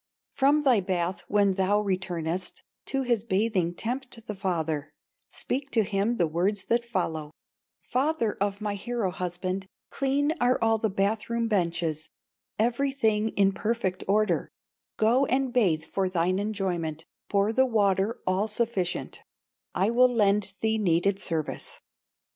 "From thy bath, when thou returnest, To his bathing tempt the father, Speak to him the words that follow: 'Father of my hero husband, Clean are all the bath room benches, Everything in perfect order; Go and bathe for thine enjoyment, Pour the water all sufficient, I will lend thee needed service.